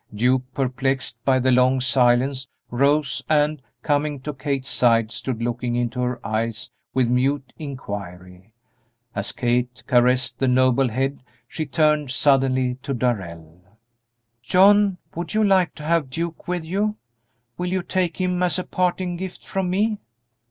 Duke, perplexed by the long silence, rose and, coming to Kate's side, stood looking into her eyes with mute inquiry. As Kate caressed the noble head she turned suddenly to Darrell: "John, would you like to have Duke with you? Will you take him as a parting gift from me?"